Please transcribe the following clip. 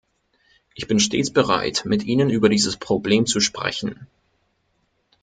Ich bin stets bereit, mit Ihnen über dieses Problem zu sprechen.